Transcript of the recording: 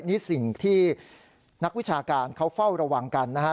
นี่สิ่งที่นักวิชาการเขาเฝ้าระวังกันนะครับ